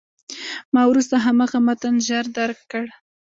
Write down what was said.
ما وروسته هماغه متن ژر درک کړ.